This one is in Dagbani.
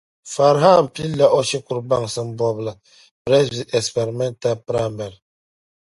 Farihan pilila o shikuru baŋsim bɔbu la Presby Experimental Primary.